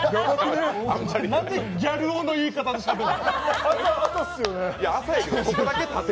何でギャル男の言い方でしゃべるの？